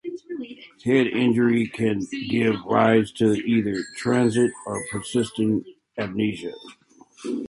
Head injury can give rise to either transient or persisting amnesia.